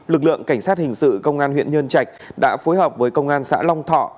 lực lượng cảnh sát hình sự công an huyện nhân trạch đã phối hợp với công an xã long thọ